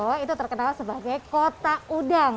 sido arjo itu terkenal sebagai kota udang